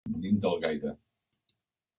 Venim d'Algaida.